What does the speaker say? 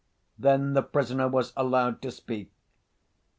Then the prisoner was allowed to speak.